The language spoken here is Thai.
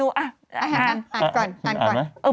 คำสั่งกันอ่านก่อน